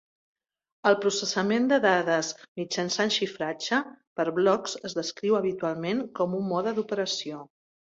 El processament de dades mitjançant xifratge per blocs es descriu habitualment com un mode d'operació.